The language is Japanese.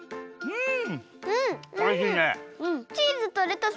うん。